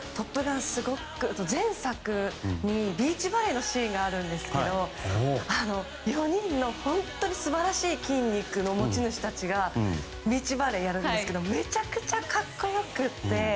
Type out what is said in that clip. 前作にビーチバレーのシーンがあるんですけど４人の素晴らしい筋肉の持ち主たちがビーチバレーをやるんですけどめちゃくちゃ格好良くって。